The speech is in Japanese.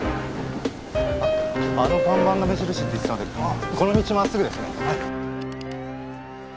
あの看板が目印って言ってたんでこの道真っすぐですね。